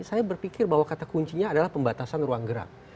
saya berpikir bahwa kata kuncinya adalah pembatasan ruang gerak